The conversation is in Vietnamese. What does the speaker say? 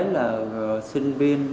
về sinh viên